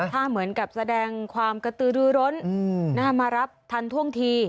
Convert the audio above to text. ถ้าเหมือนกับแสดงความกระตือรือร้นมารับทันท่วงที